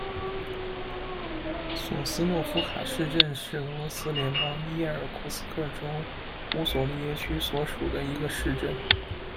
索斯诺夫卡市镇是俄罗斯联邦伊尔库茨克州乌索利耶区所属的一个市镇。